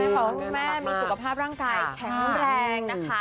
ขอให้คุณแม่มีสุขภาพร่างกายแข็งแรงนะคะ